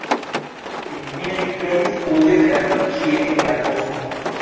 Finfine li trovis: uzi Esperanton ĉie en la kosmo.